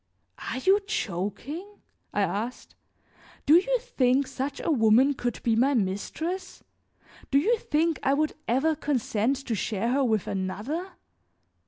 "Are you joking?" I asked. "Do you think such a woman could be my mistress? Do you think I would ever consent to share her with another?